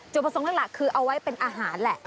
ประสงค์หลักคือเอาไว้เป็นอาหารแหละ